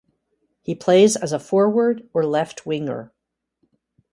He plays as a forward or left winger.